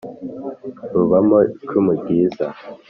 Rubamo icumu ryiza